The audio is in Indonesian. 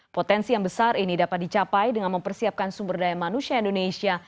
potensi yang besar ini dapat dicapai dengan mempersiapkan sumber daya manusia indonesia